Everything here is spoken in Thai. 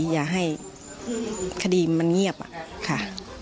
อย่าให้คดีมันเงียบค่ะ